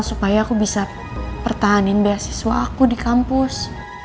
supaya aku bisa pertahanin beasiswa aku di kampus